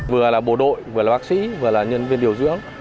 vừa là bộ đội vừa là bác sĩ vừa là nhân viên điều dưỡng